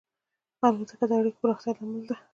الوتکه د اړیکو پراختیا لامل ده.